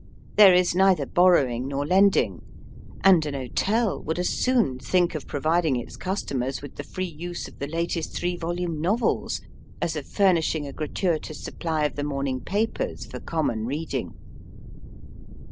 There is neither borrowing nor lend ing, and an hotel would as soon think of providing its customers with the free use of the latest three volume novels as of furnishing a gratuitous supply of the morning papers for common reading.